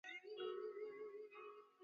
Weka kwenye mafuta yanayochemka